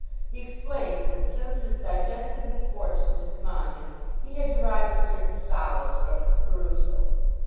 He explained that since his digestive misfortunes had come on him he had derived a certain solace from its perusal.